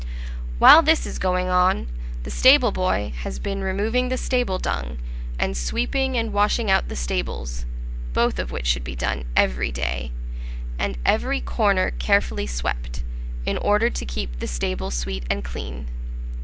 While this is going on, the stable boy has been removing the stable dung, and sweeping and washing out the stables, both of which should be done every day, and every corner carefully swept, in order to keep the stable sweet and clean.